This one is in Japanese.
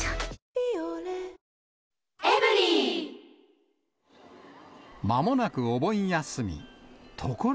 「ビオレ」まもなくお盆休み。